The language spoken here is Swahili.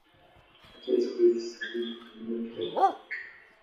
Lakini siku hizi "sayyid" hutumiwa pia kwa wote.